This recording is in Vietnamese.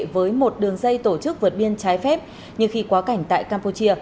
với một đường dây tổ chức vượt biên trái phép như khi quá cảnh tại campuchia